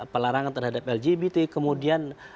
pelarangan terhadap lgbt kemudian